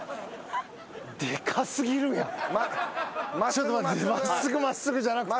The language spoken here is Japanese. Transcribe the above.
ちょっと待って「真っすぐ真っすぐ」じゃなくて。